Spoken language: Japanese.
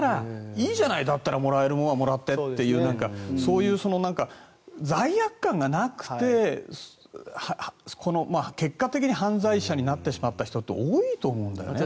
だったらもらえるものはもらってというそういう罪悪感がなくて結果的に犯罪者になってしまった人って多いと思うんだよね。